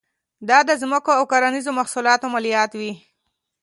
دا د ځمکو او کرنیزو محصولاتو مالیات وې.